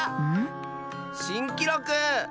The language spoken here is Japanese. しんきろく！